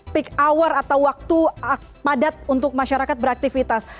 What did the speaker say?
peak hour atau waktu padat untuk masyarakat beraktivitas